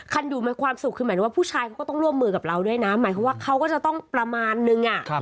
อยู่ในความสุขคือหมายถึงว่าผู้ชายเขาก็ต้องร่วมมือกับเราด้วยนะหมายความว่าเขาก็จะต้องประมาณนึง